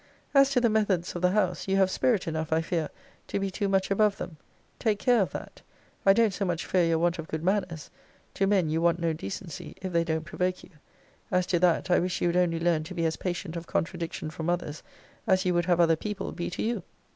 As to the methods of the house, you have spirit enough, I fear, to be too much above them: take care of that. I don't so much fear your want of good manners. To men, you want no decency, if they don't provoke you: as to that, I wish you would only learn to be as patient of contradiction from others, as you would have other people be to you.